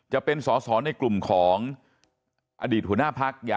จะเป็นสอสอในกลุ่มของอดีตหัวหน้าพัก